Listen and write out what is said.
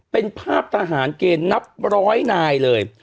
เป็นภาพทหารเกณฑ์นับร้อยนายเลย